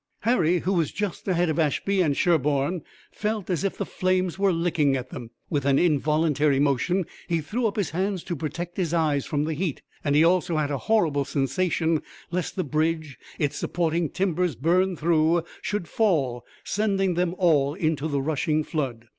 Harry, who was just ahead of Ashby and Sherburne, felt as if the flames were licking at them. With an involuntary motion he threw up his hands to protect his eyes from the heat, and he also had a horrible sensation lest the bridge, its supporting timbers burned through, should fall, sending them all into the rushing flood.